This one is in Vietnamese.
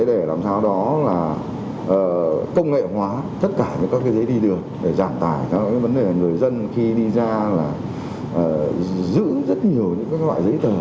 để làm sao đó là công nghệ hóa tất cả những các ghế đi đường để giảm tải các vấn đề người dân khi đi ra là giữ rất nhiều những loại giấy tờ